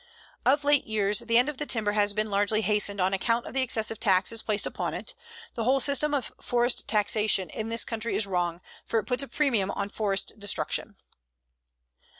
Of late years the end of the timber has been largely hastened on account of the excessive taxes placed upon it. The whole system of forest taxation in this country is wrong, for it puts a premium on forest destruction.